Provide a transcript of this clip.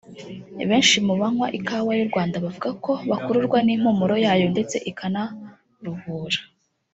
Benshi mu banywa ikawa y’u Rwanda bavuga ko bakururwa n’impumuro yayo ndetse ikanaruhura